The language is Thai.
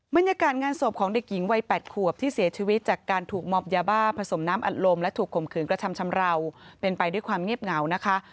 บรรยากาศงานศพของเด็กหญิงวัย๘ขวบที่เสียชีวิตจากการถูกมอบยาบ้าผสมน้ำอัดลมและถูกข่มขืนกระทำชำราวเป็นไปด้วยความเงียบเหงานะคะ